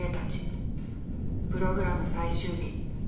プログラム最終日。